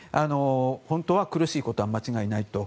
本当は苦しいことは間違いないと。